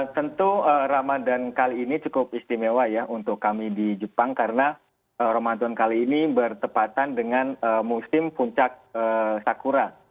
tentu ramadan kali ini cukup istimewa ya untuk kami di jepang karena ramadan kali ini bertepatan dengan musim puncak sakura